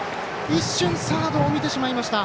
一瞬、サードを見てしまいました。